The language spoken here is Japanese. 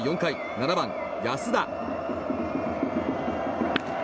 ７番、安田。